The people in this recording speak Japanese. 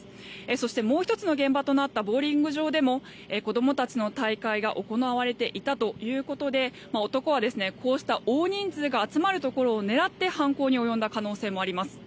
そしてもう１つの現場となったボウリング場でも子供たちの大会が行われていたということで男はこうした大人数が集まるところを狙って犯行に及んだ可能性もあります。